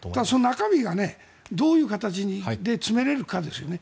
中身がどういう形で詰められるかですね。